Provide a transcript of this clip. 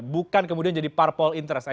bukan kemudian jadi parpol interest